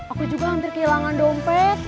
aku juga hampir kehilangan dompet